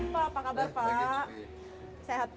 pak apa kabar pak sehat pak